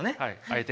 はい。